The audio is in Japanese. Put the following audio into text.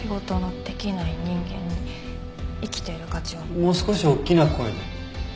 もう少し大きな声で。